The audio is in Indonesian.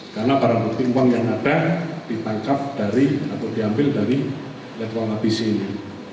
karena para bukti uang yang ada ditangkap dari atau diambil dari letol abisi ini